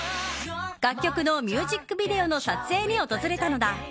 楽曲のミュージックビデオの撮影に訪れたのだ。